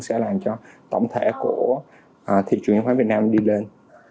sẽ làm cho tổng thể của thị trường chứng khoán việt nam đi lên